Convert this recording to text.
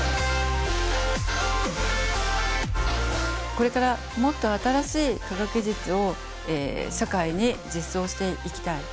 これからもっと新しい科学技術を社会に実装していきたい。